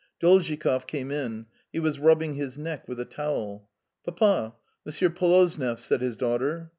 Dolzhikov came in. He was wiping his neck with a towel. " Papa, this is Mr. Polozniev," said his daughter.